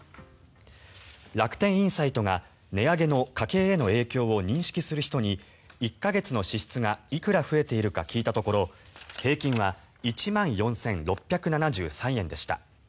楽天インサイトが値上げの家計への影響を認識する人に１か月の支出がいくら増えているか聞いたところ平均は１万４６７３円でした。